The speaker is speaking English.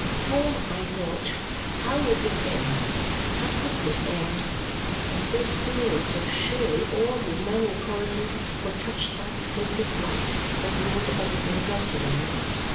For, I thought, how would this end, how could this end, when so soon and so surely all his manly qualities were touched by the fatal blight that ruined everything it rested on!